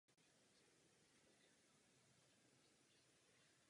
Nejnovější generace detektorů vyhovuje požadavkům, které stanovil Parlament.